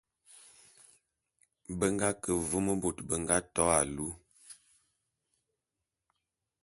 Be nga ke vôm bôt bé nga to alu.